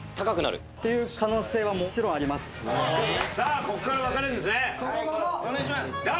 さあこっから分かれるんですね。